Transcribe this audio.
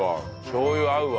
しょう油合うわ。